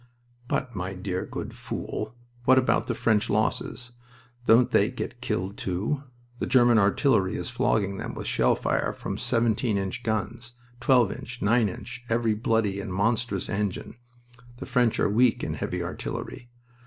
"But, my dear good fool, what about the French losses? Don't they get killed, too? The German artillery is flogging them with shell fire from seventeen inch guns, twelve inch, nine inch, every bloody and monstrous engine. The French are weak in heavy artillery.